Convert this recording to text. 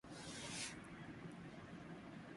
کبھی سیاسی بت اور کبھی معاشرتی بت